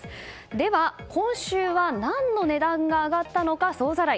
では、今週は何の値段が上がったのか総ざらい。